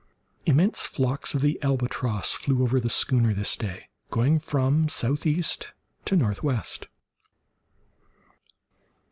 Immense flocks of the albatross flew over the schooner this day, going from southeast to northwest.